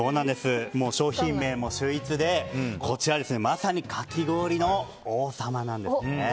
商品名も秀逸でこちら、まさにかき氷の王様なんですね。